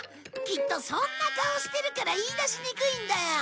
きっとそんな顔してるから言い出しにくいんだよ。